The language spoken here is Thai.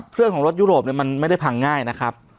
เครื่องของรถยุโรปมันไม่ได้พังง่ายนะครับ